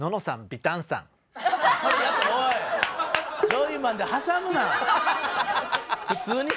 ジョイマンで挟むな！